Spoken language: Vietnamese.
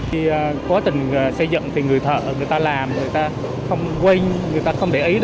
khi quá trình xây dựng thì người thợ người ta làm người ta không quên người ta không để ý